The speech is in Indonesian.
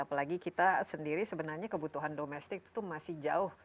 apalagi kita sendiri sebenarnya kebutuhan domestik itu masih jauh